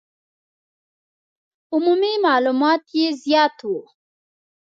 عمومي معلومات یې زیات وو.